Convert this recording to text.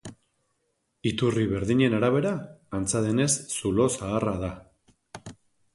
Iturri berdinen arabera, antza denez zulo zaharra da.